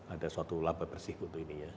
ada suatu laba bersih untuk ini ya